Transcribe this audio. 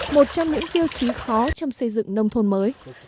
một trong những tiêu chí khó trong xây dựng nông thôn mới